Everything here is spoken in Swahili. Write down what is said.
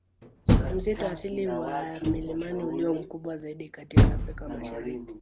Ni msitu asili wa milimani ulio mkubwa zaidi katika Afrika Mashariki.